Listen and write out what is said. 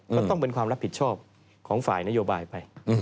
ก็ต้องเป็นความรับผิดชอบของฝ่ายนโยบายไป